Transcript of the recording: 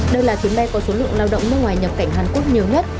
đây là chuyến bay có số lượng lao động nước ngoài nhập cảnh hàn quốc nhiều nhất